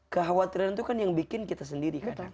kekhawatiran itu kan yang bikin kita sendiri kadang